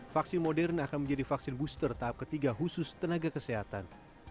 vaksin modern akan menjadi vaksin booster tahap ketiga khusus tenaga kesehatan